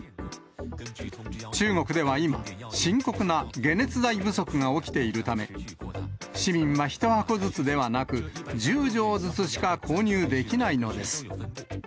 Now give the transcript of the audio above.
中国では今、深刻な解熱剤不足が起きているため、市民は１箱ずつではなく、１０錠ずつしか購入できないのです。